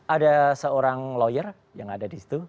ada seorang lawyer yang ada di situ